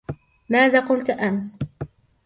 ماذا قلت أمس؟